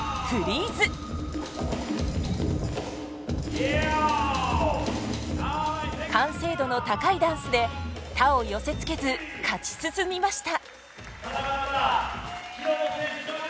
ダイナミックなそして完成度の高いダンスで他を寄せつけず勝ち進みました。